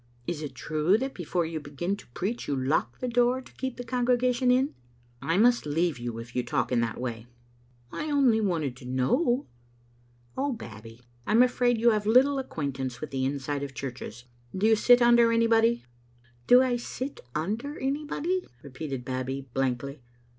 Is it true that before you begin to preach you lock the door to keep the congregation In?" " I must leave you if you talk in that way." " I only wanted to know." "Oh, Babbie, I am afraid you have little acquaint ance with the inside of churches. Do you sit tmder anybody?" " Do I sit under anybody?" repeated Babbie, blankly.